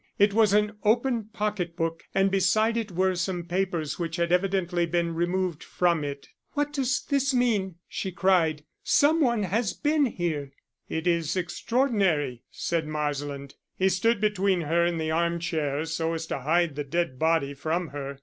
It was an open pocket book and beside it were some papers which had evidently been removed from it. "What does this mean?" she cried. "Some one has been here." "It is extraordinary," said Marsland. He stood between her and the arm chair so as to hide the dead body from her.